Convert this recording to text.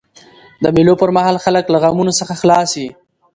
د مېلو پر مهال خلک له غمونو څخه خلاص يي.